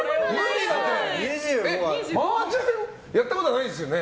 マージャンやったことないんですよね？